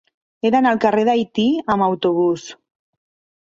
He d'anar al carrer d'Haití amb autobús.